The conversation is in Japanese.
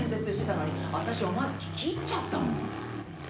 「私思わず聞き入っちゃったもん」